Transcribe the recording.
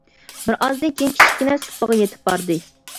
بىر ئازدىن كېيىن كىچىككىنە سۇپىغا يېتىپ باردى.